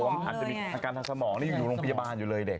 ก็บอกอาจจะมีอาการทานสมองอยู่โรงพยาบาลอยู่เลยเด็ก